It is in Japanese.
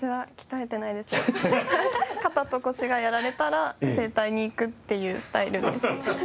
私は肩と腰がやられたら整体に行くっていうスタイルです。